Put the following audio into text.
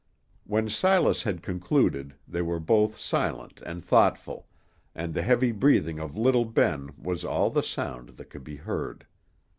When Silas had concluded, they were both silent and thoughtful, and the heavy breathing of little Ben was all the sound that could be heard.